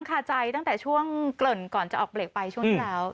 คาใจตั้งแต่ช่วงเกริ่นก่อนจะออกเบรกไปช่วงที่แล้ว